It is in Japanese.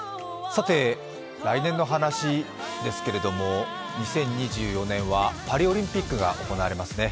来年の話ですけれども２０２４年はパリオリンピックが行われますね。